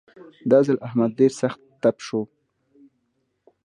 دا ځل احمد ډېر سخت تپ شو.